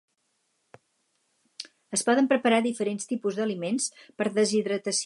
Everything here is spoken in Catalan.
Es poden preparar diferents tipus d"aliments per deshidratació.